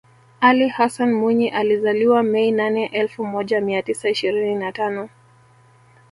Ali Hassan Mwinyi alizaliwa Mei nane elfu moja mia tisa ishirini na tano